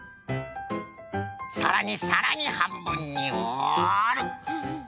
さらにさらにはんぶんにおる。